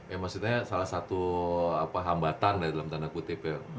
ya maksudnya salah satu hambatan dalam tanda kutip ya